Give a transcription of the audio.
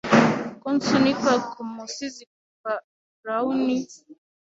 Ko nsunika ku musizi kuva Graun